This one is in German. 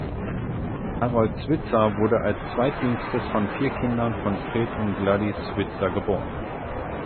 Harold Switzer wurde als zweitjüngstes von vier Kindern von Fred und Gladys Switzer geboren.